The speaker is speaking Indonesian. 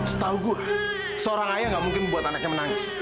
setahu gua seorang ayah gak mungkin membuat anaknya menangis